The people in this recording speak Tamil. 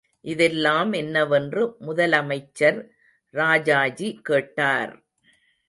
இதெல்லாம் என்னவென்று முதலமைச்சர் ராஜாஜி கேட்டார்.!